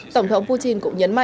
tổng thống putin cũng nhấn mạnh